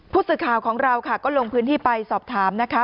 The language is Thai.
ผู้สื่อข่าวของเราค่ะก็ลงพื้นที่ไปสอบถามนะคะ